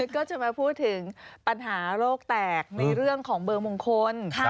ก็จะมาพูดถึงปัญหาโรคแตกในเรื่องของเบอร์มงคล